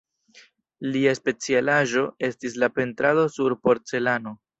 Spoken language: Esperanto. Lia specialaĵo estis la pentrado sur porcelano.